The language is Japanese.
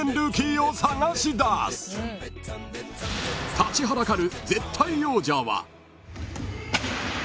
［立ちはだかる］